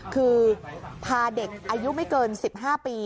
คือพาเด็กอายุไม่เกิน๑๕ปี